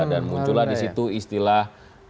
dan muncul di situ istilah